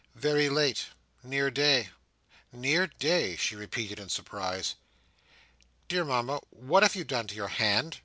"Very late. Near day." "Near day!" she repeated in surprise. "Dear Mama, what have you done to your hand?"